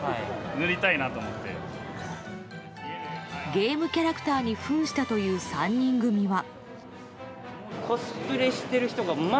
ゲームキャラクターに扮したという３人組は。